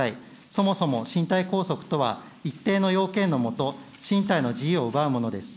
そもそも身体拘束とは、一定の要件の下、身体の自由を奪うものです。